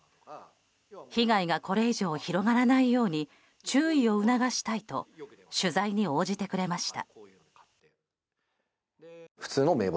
被害がこれ以上広がらないように注意を促したいと取材に応じてくれました。